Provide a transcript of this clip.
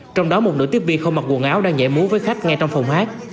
trong đó một nửa tiếp viên không mặc quần áo đang nhảy múa với khách ngay trong phòng hát